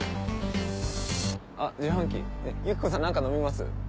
あっ自販機ユキコさん何か飲みます？